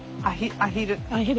アヒル。